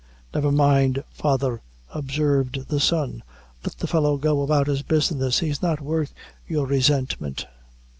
"Never mind, father," observed the son; "let the fellow go about his business he's not worth your resentment."